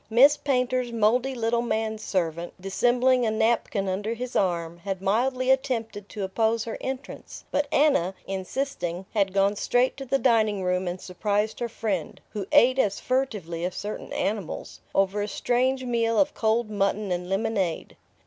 Miss Painter's mouldy little man servant, dissembling a napkin under his arm, had mildly attempted to oppose her entrance; but Anna, insisting, had gone straight to the dining room and surprised her friend who ate as furtively as certain animals over a strange meal of cold mutton and lemonade.